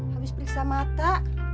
habis periksa mata